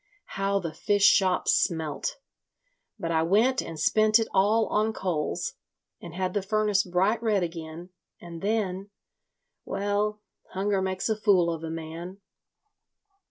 How the fish shops smelt! But I went and spent it all on coals, and had the furnace bright red again, and then—Well, hunger makes a fool of a man.